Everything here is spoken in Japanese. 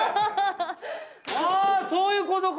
あそういうことか。